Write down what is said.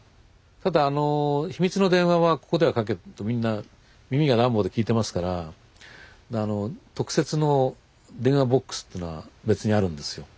ただ秘密の電話はここでかけるとみんな耳がダンボで聞いてますから特設の電話ボックスというのが別にあるんですよ。